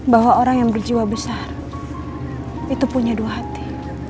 bahwa orang yang berjiwa besar itu punya dua hati